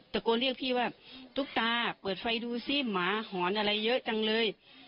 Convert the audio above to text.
ตะโกนเรียกพี่ว่าตุ๊กตาเปิดไฟดูซิหมาหอนอะไรเยอะจังเลย